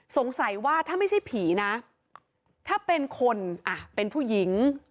สงสัยว่าถ้าไม่ใช่ผีนะถ้าเป็นคนอ่ะเป็นผู้หญิง